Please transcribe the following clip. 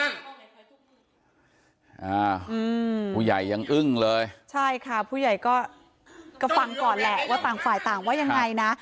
ผู้ใหญ่ยังอึ้งเลยใช่ค่ะผู้ใหญ่ก็ก็ฟังก่อนแหละว่าต่างฝ่ายต่างว่ายังไงนะ